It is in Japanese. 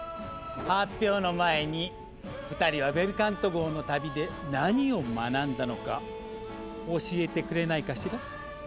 発表の前に２人はベルカント号の旅で何を学んだのか教えてくれないかしら。